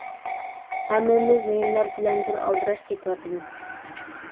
ھەممىمىز نېمىلەر بىلەندۇر ئالدىراش كېتىۋاتىمىز.